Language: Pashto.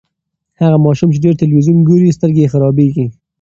هغه ماشوم چې ډېر تلویزیون ګوري، سترګې یې خرابیږي.